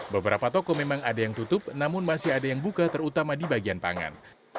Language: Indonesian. beberapa toko memang ada yang tutup namun masih ada yang buka terutama di bagian pangan